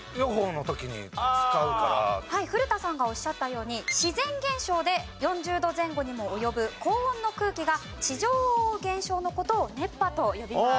古田さんがおっしゃったように自然現象で４０度前後にも及ぶ高温の空気が地上を覆う現象の事を熱波と呼びます。